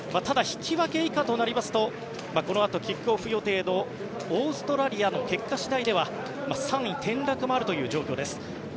ただ、引き分け以下となりますとこのあとキックオフ予定のオーストラリアの結果次第では３位転落もあるという状況です。